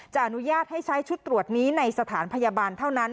อนุญาตให้ใช้ชุดตรวจนี้ในสถานพยาบาลเท่านั้น